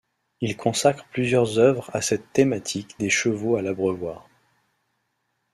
Il consacre plusieurs œuvres à cette thématique des chevaux à l'abreuvoir.